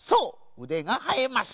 うでがはえました。